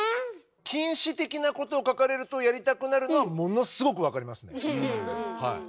禁止的なことを書かれるとやりたくなるのはものすごく分かりますねはい。